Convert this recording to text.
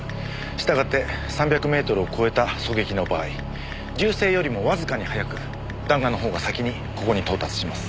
従って３００メートルを超えた狙撃の場合銃声よりもわずかに早く弾丸の方が先にここに到達します。